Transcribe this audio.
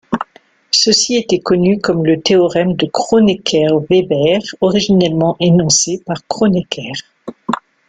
Ceci était connu comme le théorème de Kronecker-Weber, originellement énoncé par Kronecker.